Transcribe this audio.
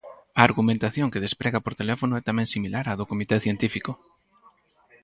A argumentación que desprega por teléfono é tamén similar á do Comité Científico.